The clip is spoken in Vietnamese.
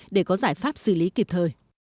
để có giải pháp xử lý kịp thời